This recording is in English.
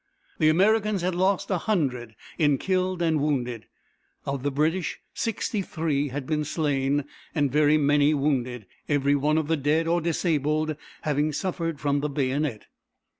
The Americans had lost a hundred in killed and wounded. Of the British sixty three had been slain and very many wounded, every one of the dead or disabled having suffered from the bayonet.